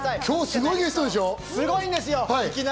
今日すごいですよ。